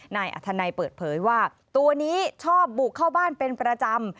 นายอัธนัยเปิดเผยว่าตัวนี้ชอบบุกเข้าบ้านเป็นประจำ